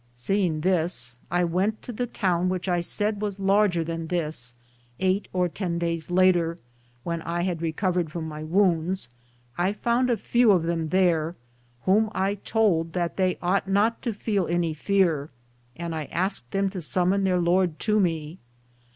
Seeing this, I went to the town which I said was larger than this, eight or ten days later, when I had recovered from my wounds. I found a few of them there, whom I told that they ought not to feel any fear, and I asked them to summon their lord to me.